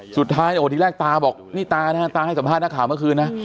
สุดท้ายโอ้โหทีแรกตาบอกนี่ตานะฮะตาให้สัมภาษณ์ข่าวเมื่อคืนนะ